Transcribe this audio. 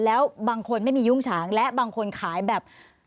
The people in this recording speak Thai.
แล้วบางคนไม่มียุ้งฉางและบางคนขายแบบ